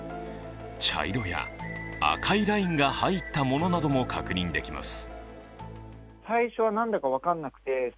茶色や赤いラインが入ったものなども確認できます。